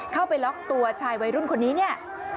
เข้าไปล็อกตัวชายวัยรุ่นคนนี้เนี่ย